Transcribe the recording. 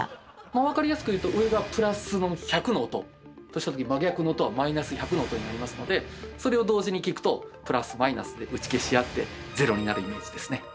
分かりやすく言うと上がプラス１００の音としたときに真逆の音はマイナス１００の音になりますのでそれを同時に聞くとプラスマイナスで打ち消し合って０になるイメージですね。